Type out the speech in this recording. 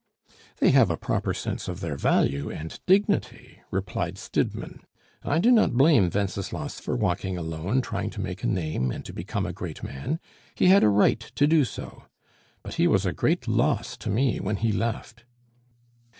"They have a proper sense of their value and dignity," replied Stidmann. "I do not blame Wenceslas for walking alone, trying to make a name, and to become a great man; he had a right to do so! But he was a great loss to me when he left."